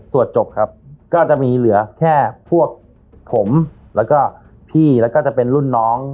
จบครับก็จะมีเหลือแค่พวกผมแล้วก็พี่แล้วก็จะเป็นรุ่นน้อง